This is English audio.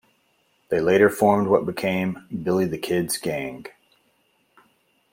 They later formed what became Billy the Kid's gang.